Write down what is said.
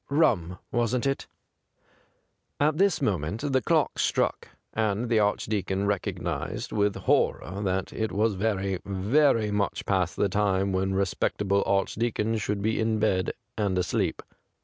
Rum, wasn't it ?' At this moment the clock struck, and the Archdeacon recognised with horror that it was very, very much past the time when respectable Archdeacons should be in bed and asleep.